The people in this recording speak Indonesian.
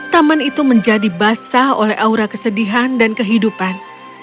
taman itu menjadi basah oleh aura kesedihan dan kehidupan